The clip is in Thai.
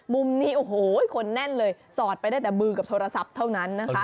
มุมนี้โอ้โหคนแน่นเลยสอดไปได้แต่มือกับโทรศัพท์เท่านั้นนะคะ